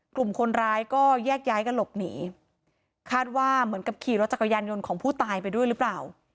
กลุ่มคนร้ายก็แยกย้ายกันหลบหนีคาดว่าเหมือนกับขี่รถจักรยานยนต์ของผู้ตายไปด้วยหรือเปล่า